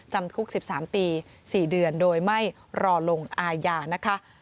จำคุก๑๓ปี๔เดือนโดยไม่รอลงอาญานะคะ